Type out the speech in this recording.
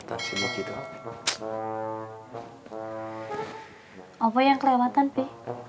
apa yang kelewatan pi